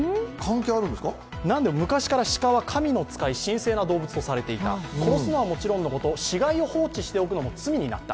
なんでも昔から鹿は神の使い、神聖な動物とされていた殺すのはもちろんのこと、死骸を放置するのも罪になった。